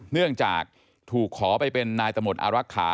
เนื่องจากถูกขอไปเป็นนายตำรวจอารักษา